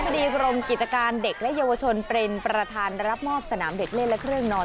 คดีกรมกิจการเด็กและเยาวชนเป็นประธานรับมอบสนามเด็กเล่นและเครื่องนอน